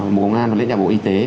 bộ công an và lãnh đạo bộ y tế